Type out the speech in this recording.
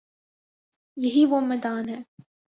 یہی وہ میدان ہے۔